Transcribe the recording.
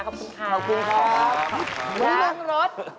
ขอบคุณค่ะครับปุ๊กครับขอบคุณค่ะร้างรถ